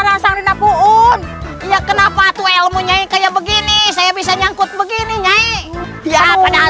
rasang rindapuun ya kenapa tuel punya kayak begini saya bisa nyangkut begini nyai ya padahal